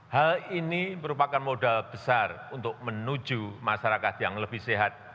hal ini merupakan modal besar untuk menuju masyarakat yang lebih sehat